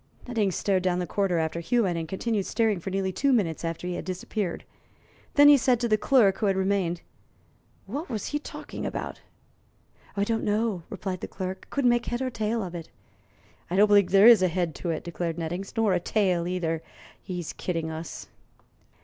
Nettings stared down the corridor after Hewitt, and continued staring for nearly two minutes after he had disappeared. Then he said to the clerk, who had remained: "What was he talking about?" "Don't know," replied the clerk. "Couldn't make head nor tail of it." "I don't believe there is a head to it," declared Nettings; "nor a tail either. He's kidding us."